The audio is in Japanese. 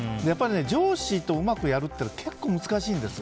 上司とうまくやるって結構難しいんです。